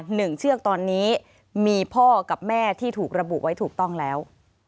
เชือกตอนนี้มีพ่อกับแม่ที่ถูกระบุไว้ถูกต้องแล้ว